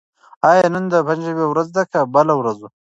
آیا نن د پنجشنبې ورځ ده که بله ورځ؟